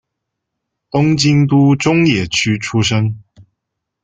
东京都中野区出生。